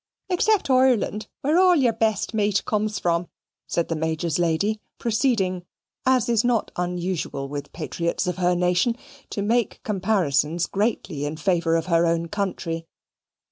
"Except Ireland, where all your best mate comes from," said the Major's lady; proceeding, as is not unusual with patriots of her nation, to make comparisons greatly in favour of her own country.